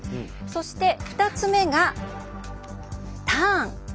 そして２つ目がターン。